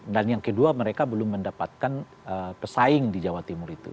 dan yang kedua mereka belum mendapatkan pesaing di jawa timur itu